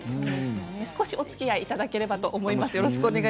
少しおつきあいいただければと思います。